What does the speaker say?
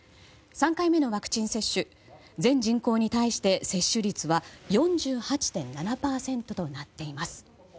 ３回目のワクチン接種全人口に対して接種率は４８．７％となっています。